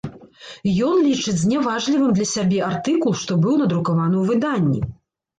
Ён лічыць зняважлівым для сабе артыкул, што быў надрукаваны ў выданні.